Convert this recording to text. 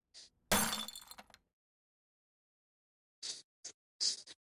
Hunter's solo debut album "Blank Unstaring Heirs of Doom" was the label's debut release.